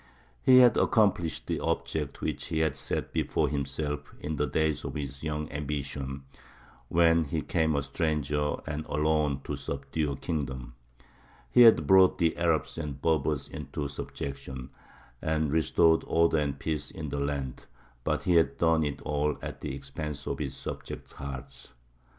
He had accomplished the object which he had set before himself in the days of his young ambition, when he came a stranger and alone to subdue a kingdom: he had brought the Arabs and Berbers into subjection, and restored order and peace in the land; but he had done it all at the expense of his subjects' hearts.